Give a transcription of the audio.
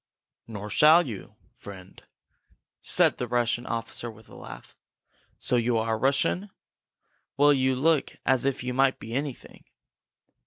"Nor shall you, friend!" said the Russian officer with a laugh. "So you are a Russian? Well, you look as if you might be anything!"